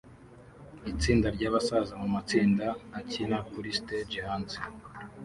Itsinda ryabasaza mumatsinda akina kuri stage hanze